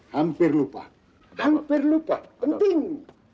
hampir lupa hampir lupa penting